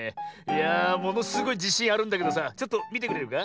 いやあものすごいじしんあるんだけどさちょっとみてくれるか？